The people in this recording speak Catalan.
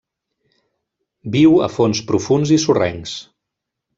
Viu a fons profunds i sorrencs.